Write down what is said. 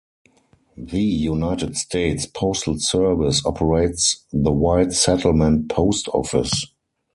The United States Postal Service operates the White Settlement Post Office.